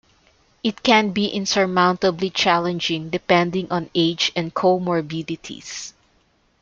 It can be insurmountably challenging depending on age and comorbidities.